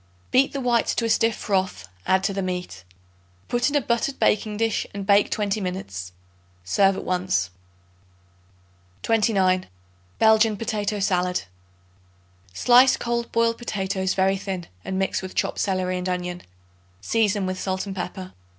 Beat the whites to a stiff froth; add to the meat. Put in a buttered baking dish and bake twenty minutes. Serve at once. 29. Belgian Potato Salad. Slice cold boiled potatoes very thin and mix with chopped celery and onion; season with salt and pepper.